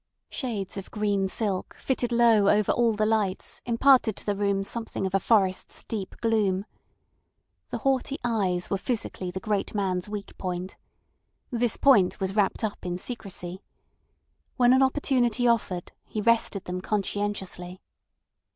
Shades of green silk fitted low over all the lights imparted to the room something of a forest's deep gloom. The haughty eyes were physically the great man's weak point. This point was wrapped up in secrecy. When an opportunity offered, he rested them conscientiously.